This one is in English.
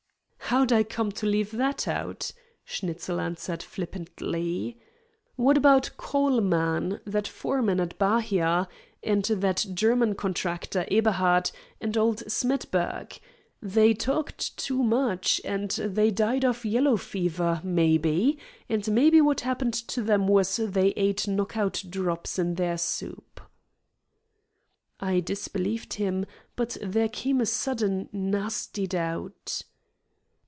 "How'd I come to leave that out?" Schnitzel answered flippantly. "What about Coleman, the foreman at Bahia, and that German contractor, Ebhardt, and old Smedburg? They talked too much, and they died of yellow fever, maybe, and maybe what happened to them was they ate knockout drops in their soup." I disbelieved him, but there came a sudden nasty doubt.